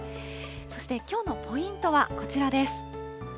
そしてきょうのポイントはこちらです。